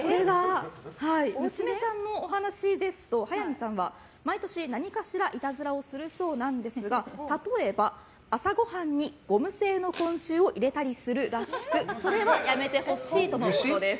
娘さんのお話ですと早見さんは毎年、何かしらいたずらをするそうなんですが例えば朝ごはんにゴム製の昆虫を入れたりするらしくそれはやめてほしいとのことです。